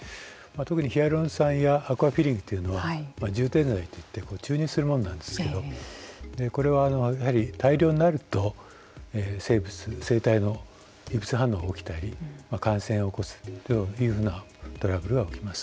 特にヒアルロン酸やアクアフィリングというのは充填剤といって注入するものなんですけどこれは、やはり大量になると生物、生体の異物反応が起きたり感染を起こすというふうなトラブルが起きます。